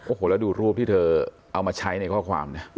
โอ้โหแล้วดูรูปที่เธอเอามาใช้ในข้อความนะ